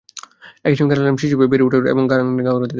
একই সঙ্গে হারালাম শিশু হিসেবে বেড়ে ওঠার অধিকার এবং গান গাওয়ার অধিকার।